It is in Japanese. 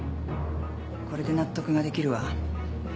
これで納得ができるわ。